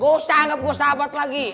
gua usah anggap gua sahabat lagi